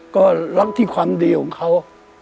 ก็รักที่ความดีของเขา